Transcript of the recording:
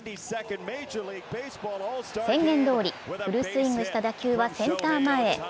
宣言どおり、フルスイングした打球はセンター前へ。